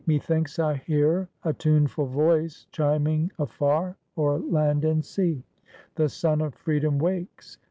Methinks I hear a tuneful voice Chiming afar, o'er land and sea, The sun of freedom wakes